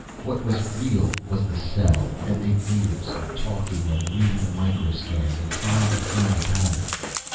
What was real was the cell and the years of talking and reading the microscans and trying to find a pattern.